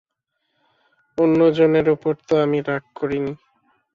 অন্য জনের উপর তো আমি রাগ করি নি।